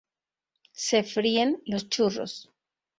Se fríen los churros.